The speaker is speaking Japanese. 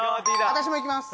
私もいきます